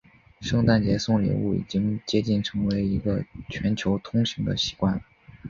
圣诞节送礼物已经接近成为一个全球通行的习惯了。